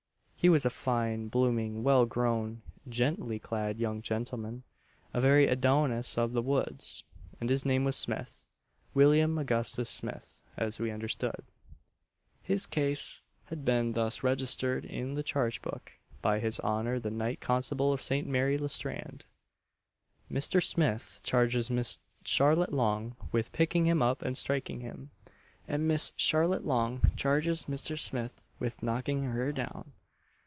He was a fine, blooming, well grown, genteelly clad young gentleman a very Adonis of the woods; and his name was Smith William Augustus Smith, as we understood. His case had been thus registered in the charge book, by his honour the Night Constable of St. Mary le Strand: "Mr. Smith charges Miss Charlotte Long with picking him up and striking him; and Miss Charlotte Long charges Mr. Smith with knocking her down."